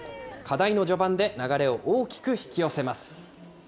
課題の序盤で流れを大きく引き寄せます。